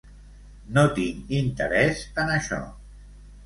No tinc interès en això.